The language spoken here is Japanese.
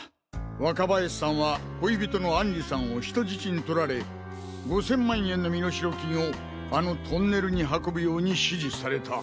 若林さんは恋人のアンリさんを人質にとられ５０００万円の身代金をあのトンネルに運ぶように指示された。